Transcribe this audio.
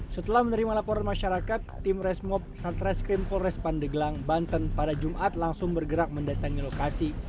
setelah menerima laporan masyarakat tim resmob santra skrimpol respan deglang banten pada jumat langsung bergerak mendatangi lokasi